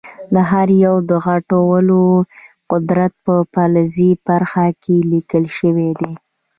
د هر یو د غټولو قدرت په فلزي برخه کې لیکل شوی دی.